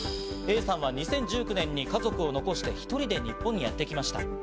Ａさんは２０１９年に家族を残して１人で日本にやってきました。